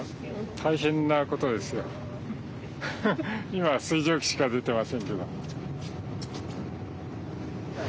今は水蒸気しか出てませんけど。